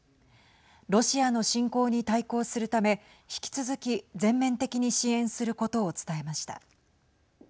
ロシアの侵攻に対抗するため引き続き、全面的に支援することを伝えました。